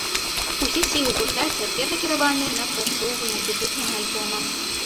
Усе сілы гурта цяпер накіраваныя на прасоўванне дэбютнага альбома.